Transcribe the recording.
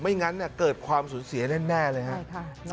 ไม่งั้นเนี่ยเกิดความสูญเสียแน่เลยครับ